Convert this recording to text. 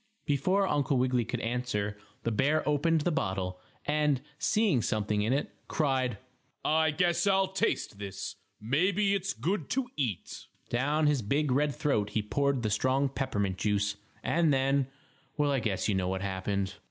Before Uncle Wiggily could answer, the bear opened the bottle, and, seeing something in it, cried: "I guess I'll taste this. Maybe it's good to eat." Down his big, red throat he poured the strong peppermint juice, and then well, I guess you know what happened.